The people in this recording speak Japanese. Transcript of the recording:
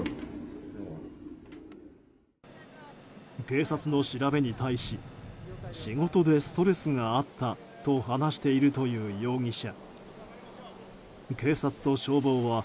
警察の調べに対し仕事でストレスがあったと話しているという容疑者。